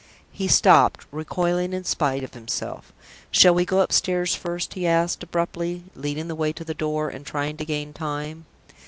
He stopped, recoiling in spite of himself. "Shall we go upstairs first?" he asked, abruptly, leading the way to the door, and trying to gain time.